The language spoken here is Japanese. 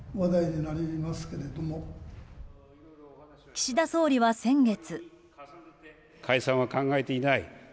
岸田総理は先月。